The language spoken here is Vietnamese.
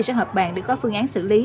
sẽ hợp bàn để có phương án xử lý